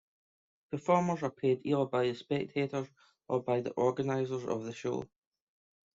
Performers are paid either by the spectators or by the organisers of the show.